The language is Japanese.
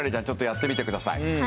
ちょっとやってみてください。